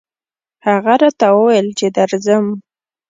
هغه راته وويل چې درځم